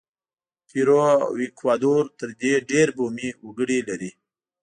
پیرو او ایکوادور تر دې ډېر بومي وګړي لري.